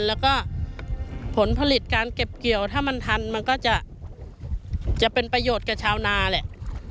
แล้วก็ผลผลิตการเก็บเกี่ยวถ้ามันทันมันก็จะเป็นประโยชน์กับชาวนาแหละ